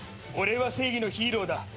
俺は正義のヒーローだ。